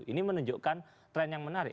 ini menunjukkan tren yang menarik